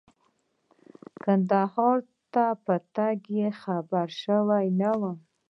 کندهار ته په راتګ یې خبر شوی نه وم.